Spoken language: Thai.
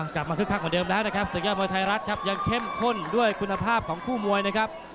กลับมา๑ขั้นคนเดิมแหละครับฝบริทายรัฐยังเข้มข้นด้วยคุณภาพของคู่มวยนะครับ